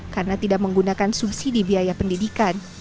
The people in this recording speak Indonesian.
karena tidak menggunakan subsidi biaya pendidikan